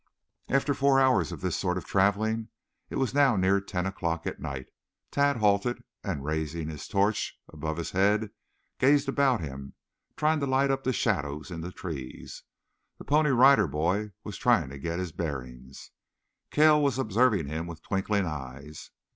After four hours of this sort of traveling it was now near ten o'clock at night Tad halted, and, raising his torch above his head, gazed about him, trying to light up the shadows up in the trees. The Pony Rider Boy was trying to get his bearings. Cale was observing him with twinkling eyes.